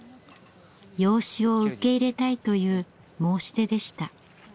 養子を受け入れたいという申し出でした。